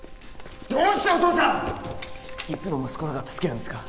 お父さん実の息子だから助けるんですか？